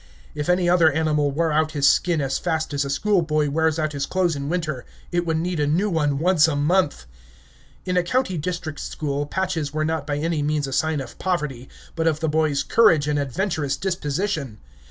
If any other animal wore out his skin as fast as a schoolboy wears out his clothes in winter, it would need a new one once a month. In a country district school patches were not by any means a sign of poverty, but of the boy's courage and adventurous disposition.